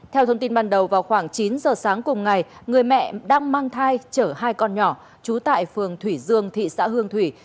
theo thông tin ban đầu vào khoảng chín giờ sáng cùng ngày người mẹ đang mang thai chở hai con nhỏ trú tại phường thủy dương thị xã hương thủy